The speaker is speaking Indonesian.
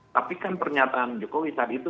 tapi kan pernyataan jokowi saat itu